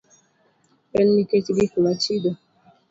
En nikech gik ma chido.